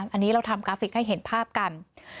อันนี้เราทำกราฟิกให้เห็นภาพกัน